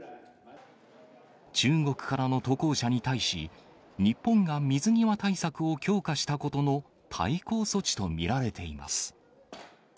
中国からの渡航者に対し、日本が水際対策を強化したことの対抗措置と見られています。